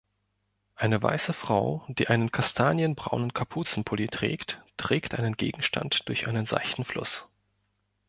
Eine weiße Frau, die einen kastanienbraunen Kapuzenpulli trägt, trägt einen Gegenstand durch einen seichten Fluss